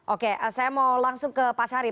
oke saya mau langsung ke pak sari